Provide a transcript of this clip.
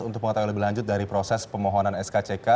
untuk mengetahui lebih lanjut dari proses pemohonan skck